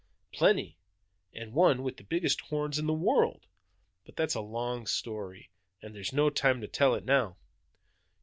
"Plenty, and one with the biggest horns in the world! But that's a long story, and there's no time to tell it now."